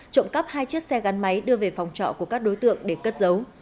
trộm cắp hai chiếc xe gắn máy đưa về phòng trọ của các đối tượng để cất dấu